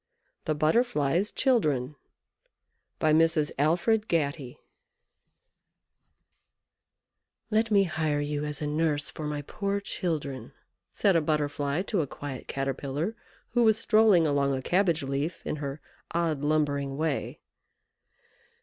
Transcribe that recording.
THE BUTTERFLY'S CHILDREN By Mrs. Alfred Gatty "Let me hire you as a nurse for my poor children," said a Butterfly to a quiet Caterpillar, who was strolling along a cabbage leaf in her odd lumbering way.